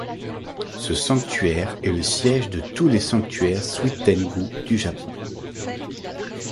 Ce sanctuaire est le siège de tous les sanctuaires Suiten-gū du Japon.